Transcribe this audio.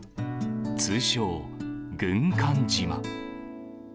通称、軍艦島。